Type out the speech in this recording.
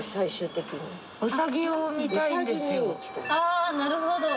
ああなるほど。